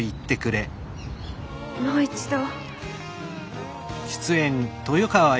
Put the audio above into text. もう一度。